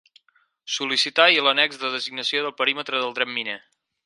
Sol·licitar i l'annex de Designació del perímetre del dret miner.